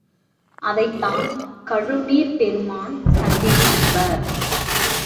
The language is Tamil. அதைத் தான் கழுநீர்ப் பெருமான் சந்நிதி என்பர்.